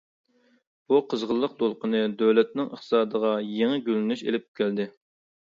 بۇ قىزغىنلىق دولقۇنى دۆلەتنىڭ ئىقتىسادىغا يېڭى گۈللىنىش ئېلىپ كەلدى.